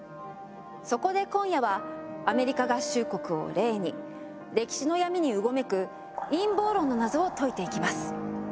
そこで今夜はアメリカ合衆国を例に歴史の闇にうごめく陰謀論の謎を解いていきます。